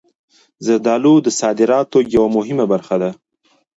زردالو د صادراتو یوه مهمه برخه ده.